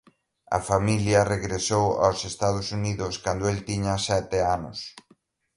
A familia regresou aos Estados Unidos cando el tiña sete anos.